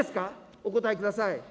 お答えください。